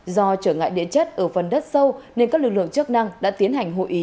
do trở ngại địa chất ở phần đất sâu nên các lực lượng chức năng đã tiến hành hội ý